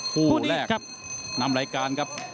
คู่แรกนำรายการครับ